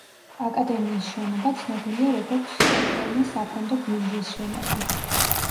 აკადემიის შენობა ცნობილია როგორც სტოკჰოლმის საფონდო ბირჟის შენობა.